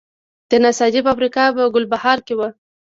د نساجي فابریکه په ګلبهار کې وه